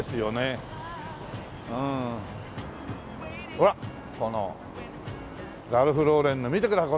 ほらこのラルフローレンの見てください